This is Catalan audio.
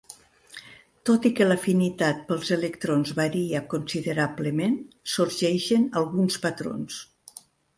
Tot i que l'afinitat pels electrons varia considerablement, sorgeixen alguns patrons.